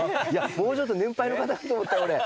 もうちょっと年配の方かと思った俺。